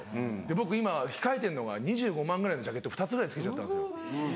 僕今控えてるのが２５万円ぐらいのジャケット２つぐらいつけちゃったんです。